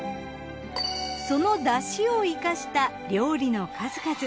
その出汁を生かした料理の数々。